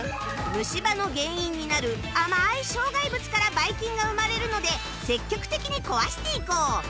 虫歯の原因になる甘い障害物からバイキンが生まれるので積極的に壊していこう！